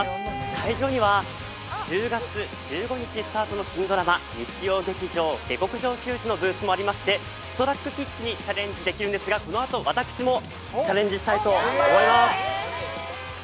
会場には１０月１５日スタートの新ドラマ日曜劇場「下剋上球児」のブースもありましてストラックピッチがあるんですがこのあと私もチャレンジしたいと思います！